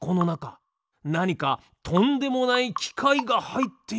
なにかとんでもないきかいがはいっているのでは？